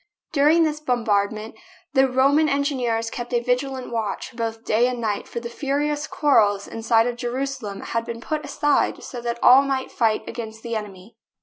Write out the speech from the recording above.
During this bombardment the Ro man engineers kept a vigilant watch both day and night, for the furious quarrels inside of Jeru salem had been put aside so that all might fight against the enemy.